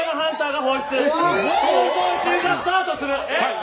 逃走中がスタートする。